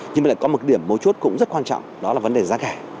nhưng mà lại có một điểm mỗi chút cũng rất quan trọng đó là vấn đề giá cả